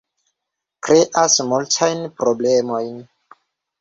Kreas multajn problemojn